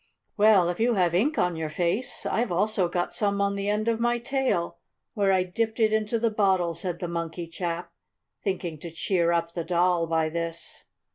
"Well, if you have ink on your face I've also got some on the end of my tail, where I dipped it into the bottle," said the Monkey chap, thinking to cheer up the Doll by this.